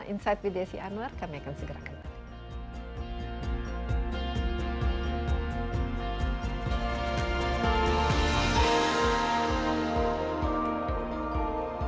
insight bdsi anwar kami akan segera kembali